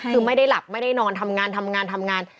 คือไม่ได้หลับไม่ได้นอนทำงานทำงานทำงาน